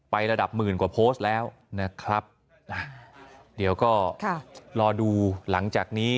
ระดับหมื่นกว่าโพสต์แล้วนะครับนะเดี๋ยวก็รอดูหลังจากนี้